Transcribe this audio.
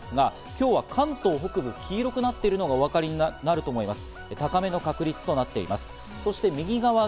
今日は関東北部、黄色くなっているのがお分かりになると思います。